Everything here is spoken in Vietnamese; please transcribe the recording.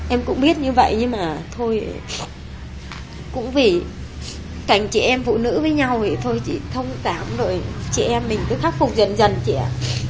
em cũng biết như vậy nhưng mà thôi cũng vì cảnh chị em phụ nữ với nhau thì thôi chị thông cảm rồi chị em mình cứ khắc phục dần dần chị ạ